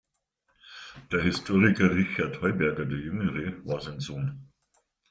Der Historiker Richard Heuberger der Jüngere war sein Sohn.